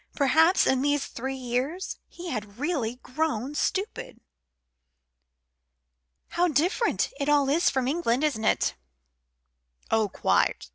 Perhaps in these three years he had really grown stupid. "How different it all is from England, isn't it?" "Oh, quite!"